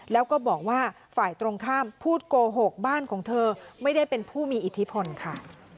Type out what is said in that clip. แล้วก็บอกว่าฝ่ายตรงข้ามพูดโกหกบ้านของเธอไม่ได้เป็นผู้มีอิทธิพลค่ะ